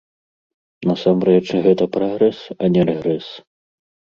Насамрэч, гэта прагрэс, а не рэгрэс.